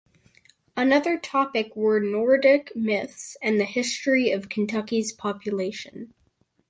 Another topic were Nordic myths and the history of Kentucky’s population.